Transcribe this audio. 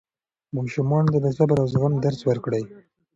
ماشومانو ته د صبر او زغم درس ورکړئ.